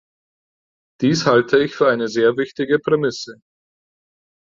Dies halte ich für eine sehr wichtige Prämisse.